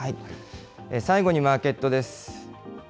最後にマーケットです。